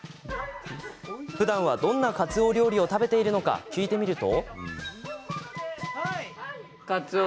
ふだんは、どんなかつお料理を食べているのか聞いてみると。